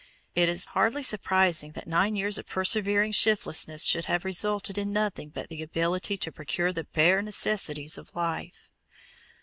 It is hardly surprising that nine years of persevering shiftlessness should have resulted in nothing but the ability to procure the bare necessaries of life.